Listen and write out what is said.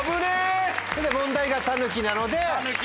問題がタヌキなので。